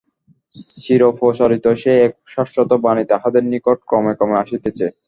চিরপ্রচারিত সেই এক শাশ্বত বাণী তাহাদের নিকট ক্রমে ক্রমে আসিতেছে।